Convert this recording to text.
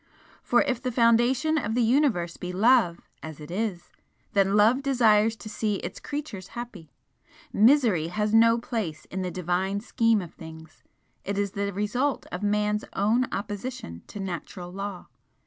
For if the foundation of the Universe be Love, as it is, then Love desires to see its creatures happy. Misery has no place in the Divine scheme of things it is the result of Man's own opposition to Natural Law.